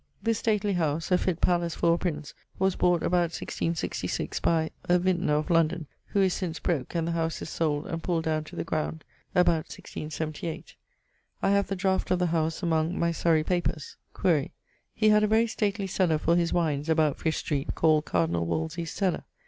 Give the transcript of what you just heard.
This stately house (a fitt pallace for a prince) was bought about 1666, by ... a vintner, of London, who is since broke, and the house is sold, and pulled downe to the ground, about 1678. I have the draught of the house among my Surrey papers. Quaere: he had a very stately cellar for his wines, about Fish street, called Cardinall Wolsey's cellar.